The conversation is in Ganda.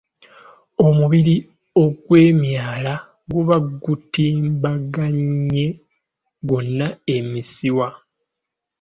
Omubiri ogwemyala guba gutimbaganye gwonna emisiwa.